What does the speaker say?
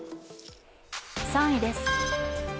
３位です。